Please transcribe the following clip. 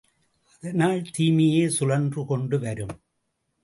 அதனால் தீமையே சுழன்று கொண்டு வரும்.